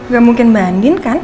gak mungkin mbak andin kan